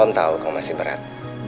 belum tahu kamu masih berat